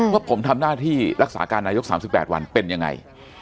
ว่าผมทำหน้าที่รักษาการนายก๓๘วันเป็นยังไง